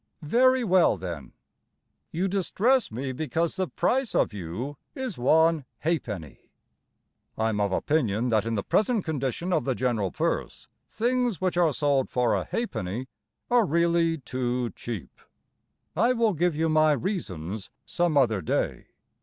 Very well, then, You distress me Because The price of you is one halfpenny. I am of opinion That in the present condition of the general purse, Things which are sold for a halfpenny Are really too cheap. I will give you my reasons some other day.